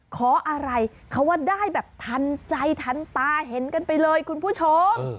ขออะไรเขาว่าได้แบบทันใจทันตาเห็นกันไปเลยคุณผู้ชม